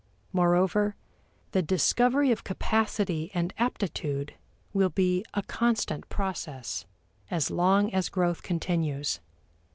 Moreover, the discovery of capacity and aptitude will be a constant process as long as growth continues.